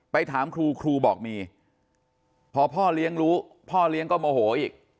ถามครูครูบอกมีพอพ่อเลี้ยงรู้พ่อเลี้ยงก็โมโหอีก